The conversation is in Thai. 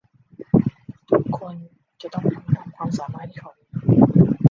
ทุกคนจะต้องทำตามความสามารถที่เขามี